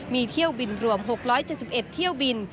มีเที่ยวบินรวม๖๗๑เที่ยวบิน